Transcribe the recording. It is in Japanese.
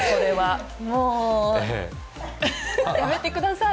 やめてください！